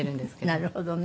なるほどね。